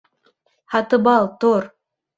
Һатыбал, тор!